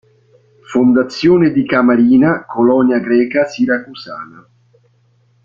Fondazione di Camarina, colonia greca siracusana.